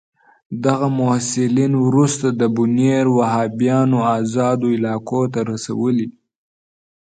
دغه محصلین وروسته د بونیر وهابیانو آزادو علاقو ته رسولي دي.